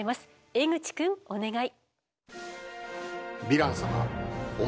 江口くんお願い！